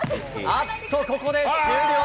あっと、ここで終了。